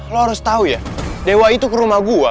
lo harus tau ya dewa itu ke rumah gue